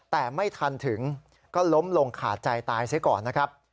แต่ไม่ทันถึงก็ล้มลงขาดใจตายซะก่อนนะครับ